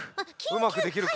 うまくできるか。